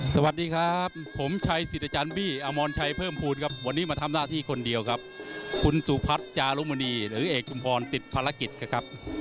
สวัสดีครับผมชัยสิทธิ์อาจารย์บี้อมรชัยเพิ่มภูมิครับวันนี้มาทำหน้าที่คนเดียวครับคุณสุพัฒน์จารุมณีหรือเอกชุมพรติดภารกิจครับ